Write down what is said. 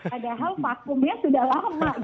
padahal fasilitasnya sudah lama